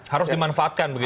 harus dimanfaatkan begitu ya